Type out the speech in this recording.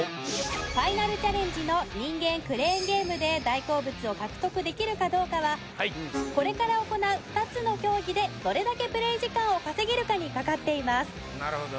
ファイナルチャレンジの人間クレーンゲームで大好物を獲得できるかどうかはこれから行う２つの競技でどれだけプレイ時間を稼げるかにかかっています